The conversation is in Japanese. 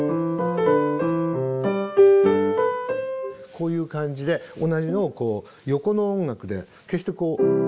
こういう感じで同じのをこう横の音楽で決してこう。